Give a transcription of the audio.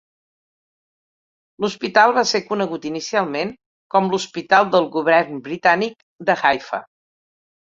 L'hospital va ser conegut inicialment com l'Hospital del Govern Britànic de Haifa.